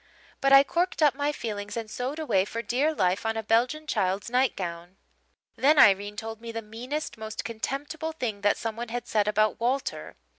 But I corked up my feelings and sewed away for dear life on a Belgian child's nightgown. "Then Irene told me the meanest, most contemptible thing that someone had said about Walter.